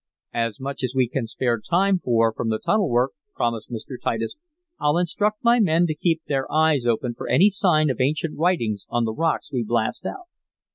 "As much as we can spare time for from the tunnel work," promised Mr. Titus. "I'll instruct my men to keep their eyes open for any sign of ancient writings on the rocks we blast out."